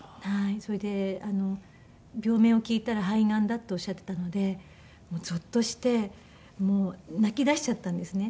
それで病名を聞いたら肺がんだっておっしゃってたのでゾッとしてもう泣きだしちゃったんですね。